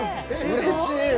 うれしい。